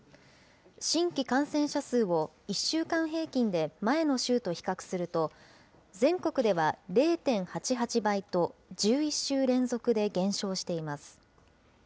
新規感染者数を１週間平均で前の週と比較すると、全国では０．８８倍と、１１週連続で減少しています。